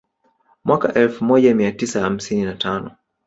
Mwaka elfu moja mia tisa hamsini na tano